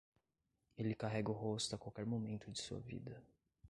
Ele carrega o rosto a qualquer momento de sua vida.